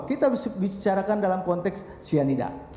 kita bicarakan dalam konteks cyanida